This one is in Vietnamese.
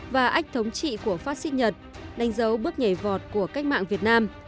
và ách thống trị của phát xít nhật đánh dấu bước nhảy vọt của cách mạng việt nam